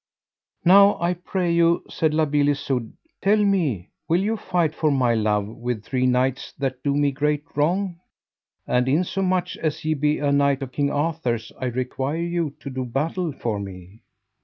Now I pray you, said La Beale Isoud, tell me will you fight for my love with three knights that do me great wrong? and insomuch as ye be a knight of King Arthur's I require you to do battle for me.